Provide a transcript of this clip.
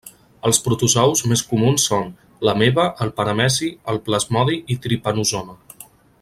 Els protozous més comuns són: l'ameba, el parameci, el plasmodi i tripanosoma.